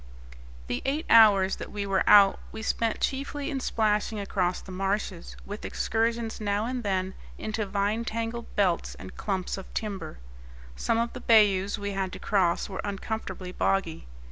The eight hours that we were out we spent chiefly in splashing across the marshes, with excursions now and then into vine tangled belts and clumps of timber. Some of the bayous we had to cross were uncomfortably boggy.